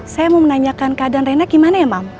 saya mau menanyakan keadaan rena gimana ya mam